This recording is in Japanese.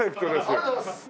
ありがとうございます！